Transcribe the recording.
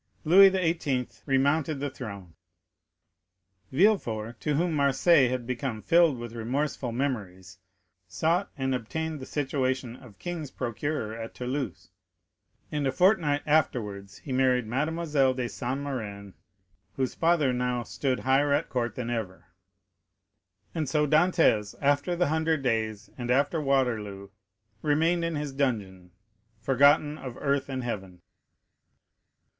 Louis XVIII. remounted the throne; Villefort, to whom Marseilles had become filled with remorseful memories, sought and obtained the situation of king's procureur at Toulouse, and a fortnight afterwards he married Mademoiselle de Saint Méran, whose father now stood higher at court than ever. And so Dantès, after the Hundred Days and after Waterloo, remained in his dungeon, forgotten of earth and heaven.